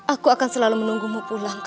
aku akan selalu menunggumu pulang